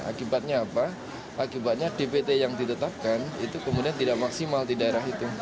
akibatnya apa akibatnya dpt yang ditetapkan itu kemudian tidak maksimal di daerah itu